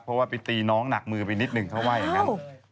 เพราะว่าไปตีน้องหนักมือไปนิดนึงเขาว่าอย่างนั้น